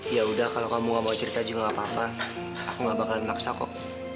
ya udah kalau kamu gak mau cerita juga gak apa apa aku gak bakalan maksa kok